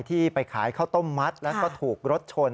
ที่ไปขายข้าวต้มมัดแล้วก็ถูกรถชน